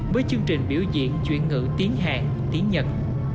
với chương trình biểu diễn chuyên ngữ tiếng hàn tiếng nhật